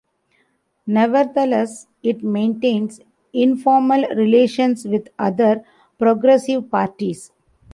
Nevertheless, it maintains informal relations with other progressive parties.